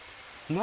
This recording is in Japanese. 「何？